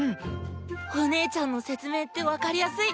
お姉ちゃんの説明って分かりやすい。